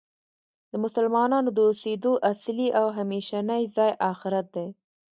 د مسلمانانو د اوسیدو اصلی او همیشنی ځای آخرت دی .